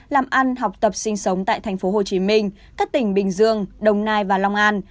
làm ăn học tập sinh sống tại thành phố hồ chí minh các tỉnh bình dương đồng nai và long an